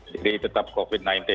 jadi tetap covid sembilan belas